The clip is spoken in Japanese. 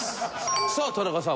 さあ田中さん